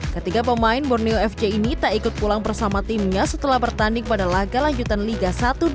ketiga pemain borneo fc ini tak ikut pulang bersama timnya setelah bertanding pada laga lanjutan liga satu dua ribu dua puluh tiga dua ribu dua puluh empat